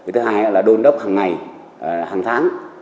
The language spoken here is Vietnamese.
thứ hai là đôn đốc hàng ngày hàng tháng